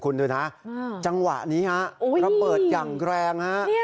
คุณดูนะจังหวะนี้ฮะระเบิดอย่างแรงฮะ